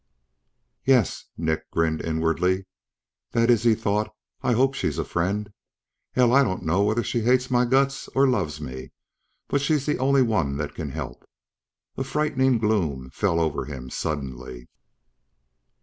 "Yes." Nick grinned inwardly. That is, he thought, I hope she's a friend. Hell, I don't know whether she hates my guts, or loves me ... but she's the only one that can help. A frightening gloom fell over him suddenly.